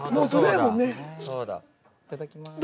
いただきます。